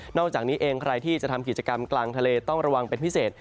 อกจากนี้เองใครที่จะทำกิจกรรมกลางทะเลต้องระวังเป็นพิเศษ